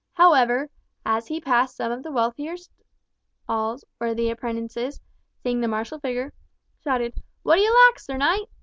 However, as he passed some of the wealthier stalls, where the apprentices, seeing the martial figure, shouted, "What d'ye lack, sir knight?"